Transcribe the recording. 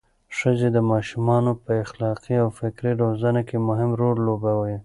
ښځې د ماشومانو په اخلاقي او فکري روزنه کې مهم رول لوبوي.